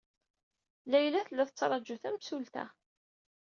Layla tella tettṛaju tamsulta.